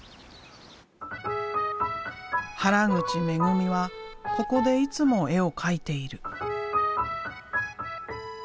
原口めぐみはここでいつも絵を描いている。